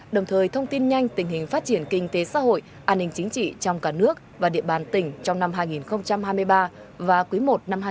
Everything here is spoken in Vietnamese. đồng thời thông tin nhanh tình hình phát triển kinh tế xã hội an ninh chính trị trong cả nước và địa bàn tỉnh trong năm hai nghìn hai mươi ba và quý i năm hai nghìn hai mươi bốn